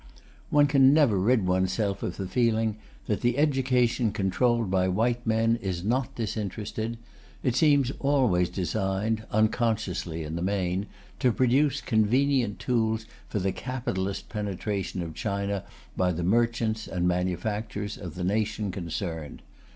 One can never rid oneself of the feeling that the education controlled by white men is not disinterested; it seems always designed, unconsciously in the main, to produce convenient tools for the capitalist penetration of China by the merchants and manufacturers of the nation concerned.